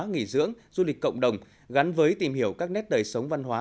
nghỉ dưỡng du lịch cộng đồng gắn với tìm hiểu các nét đời sống văn hóa